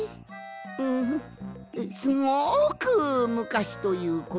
うんすごくむかしということかの。